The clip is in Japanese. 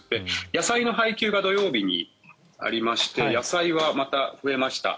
野菜の配給が土曜日にありまして野菜はまた、増えました。